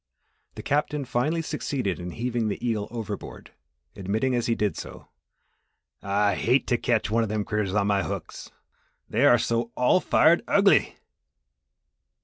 _ Page 20] The Captain finally succeeded in heaving the eel overboard, admitting as he did so, "I hate to ketch one of them critters on my hooks they are so all fired ugly!"